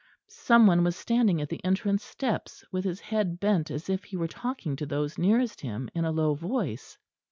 Some one was standing at the entrance steps, with his head bent as if he were talking to those nearest him in a low voice.